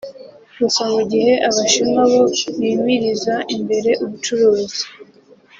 Gusa mu gihe Abashinwa bo bimiriza imbere ubucuruzi